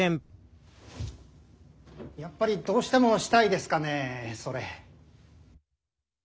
やっぱりどうしてもしたいですかねそれ。